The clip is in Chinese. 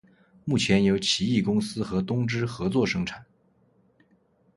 目前由奇异公司和东芝合作生产。